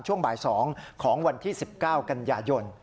ช่วงบ่าย๒ของวันที่๑๙กันยายน